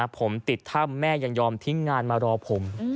ผมติดถ้ำแม่ยังยอมทิ้งงานมารอผม